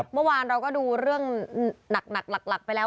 เมื่อวานเราก็ดูเรื่องหนักหลักไปแล้ว